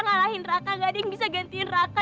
ngalahin raka gak ada yang bisa gantiin raka